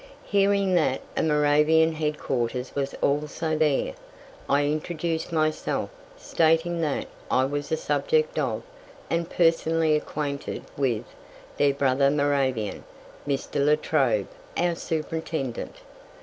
Hearing that a Moravian headquarters was also there, I introduced myself, stating that I was a subject of, and personally acquainted with, their brother Moravian, Mr. La Trobe, our Superintendent.